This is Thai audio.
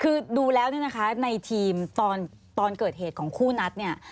คือดูแล้วเนี่ยนะคะในทีมตอนเกิดเหตุของคู่นัดเนี่ย